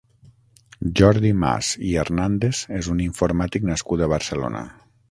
Jordi Mas i Hernàndez és un informàtic nascut a Barcelona.